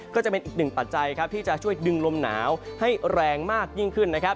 ก็จะเป็นอีกหนึ่งปัจจัยครับที่จะช่วยดึงลมหนาวให้แรงมากยิ่งขึ้นนะครับ